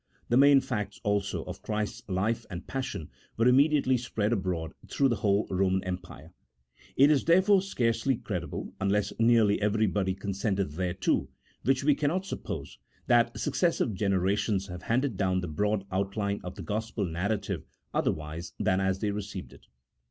The main facts, also, of Christ's life and pas sion were immediately spread abroad through the whole Roman empire. It is therefore scarcely credible, unless nearly everybody consented thereto, which we cannot sup pose, that successive generations have handed down the broad outline of the Gospel narrative otherwise than as they received it.